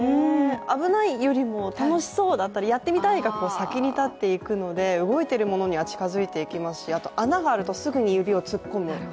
危ないよりも、楽しそうだったりやってみたいが先に立っていくので動いているものには近づいていきますし、あと穴があるとすぐに指を突っ込む。